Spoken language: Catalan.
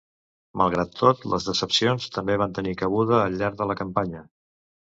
Malgrat tot, les decepcions també van tenir cabuda al llarg de la campanya.